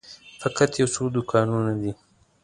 فقط یو څو دوکانونه دي.